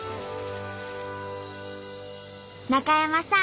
中山さん